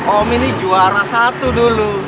om ini juara satu dulu